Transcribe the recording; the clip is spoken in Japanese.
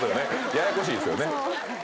ややこしいですよね。